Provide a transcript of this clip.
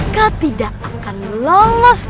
kau tidak akan melolos